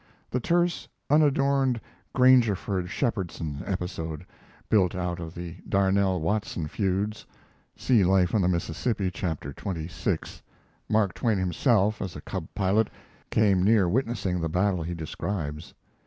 The terse, unadorned Grangerford Shepherdson episode built out of the Darnell Watson feuds [See Life on the Mississippi, chap. xxvi. Mark Twain himself, as a cub pilot, came near witnessing the battle he describes.